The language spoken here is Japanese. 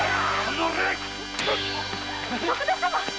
徳田様！